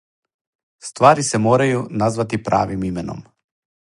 Ствари се морају назвати правим именом.